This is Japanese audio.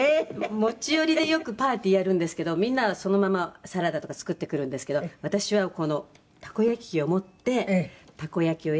「持ち寄りでよくパーティーやるんですけどみんなはそのままサラダとか作ってくるんですけど私はこのたこ焼き器を持ってたこ焼きを焼いたり」